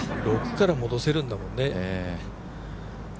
６から戻せるんだもんね。